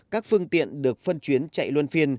các phương tiện được phân chuyến chạy luôn phiên